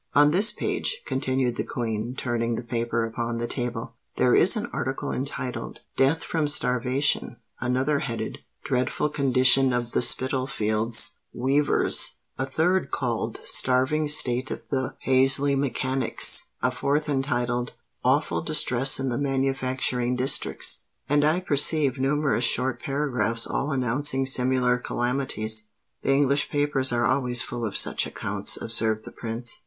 On this page," continued the Queen, turning the paper upon the table, "there is an article entitled 'Death from Starvation;' another headed 'Dreadful Condition of the Spitalfields' Weavers;' a third called 'Starving State of the Paisley Mechanics;' a fourth entitled 'Awful Distress in the Manufacturing Districts;' and I perceive numerous short paragraphs all announcing similar calamities." "The English papers are always full of such accounts," observed the Prince.